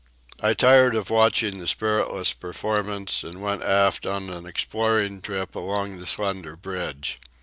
I tired of watching the spiritless performance, and went aft on an exploring trip along the slender bridge.